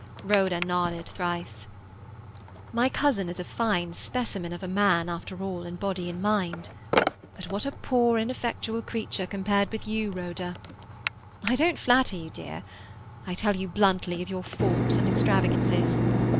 Rhoda nodded thrice. "My cousin is a fine specimen of a man, after all, in body and mind. But what a poor, ineffectual creature compared with you, Rhoda! I don't flatter you, dear. I tell you bluntly of your faults and extravagances.